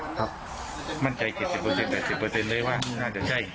ครับมั่นใจ๗๐เปอร์เซ็นต์๘๐เปอร์เซ็นต์เลยว่าน่าจะใช่